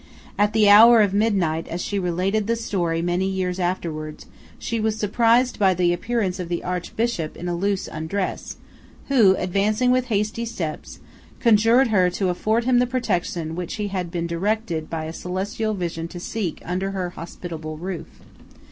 At the hour of midnight, as she related the story many years afterwards, she was surprised by the appearance of the archbishop in a loose undress, who, advancing with hasty steps, conjured her to afford him the protection which he had been directed by a celestial vision to seek under her hospitable roof.